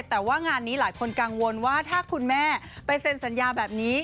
แต่ว่างานนี้หลายคนกังวลว่าถ้าคุณแม่ไปเซ็นสัญญาแบบนี้